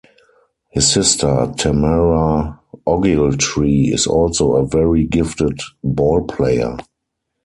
His sister Tamara Ogiltree is also a very gifted ball player.